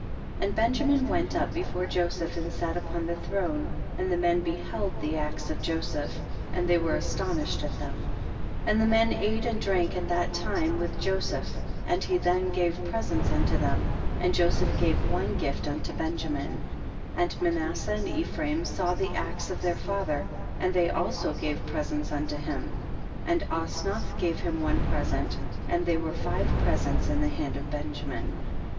14. And Benjamin went up before Joseph and sat upon the throne, and the men beheld the acts of Joseph, and they were astonished at them; and the men ate and drank at that time with Joseph, and he then gave presents unto them, and Joseph gave one gift unto Benjamin, and Manas seh and Ephraim saw the acts of their father, and they also gave pre sents unto him, and Osnath gave him one present, and they were five presents in the hand of Benjamin.